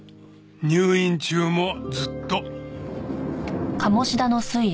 入院中もずっと。